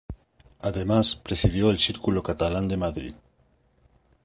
Además presidió el Círculo Catalán de Madrid.